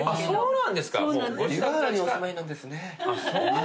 そうなんですね。